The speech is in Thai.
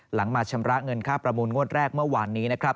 หลังมาชำระเงินค่าประมูลงวดแรกเมื่อวานนี้